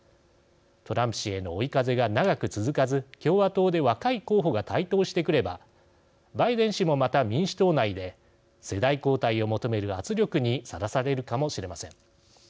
トランプ氏への追い風が長く続かず共和党で若い候補が台頭してくればバイデン氏もまた民主党内で世代交代を求める圧力にさらされるかもしれません。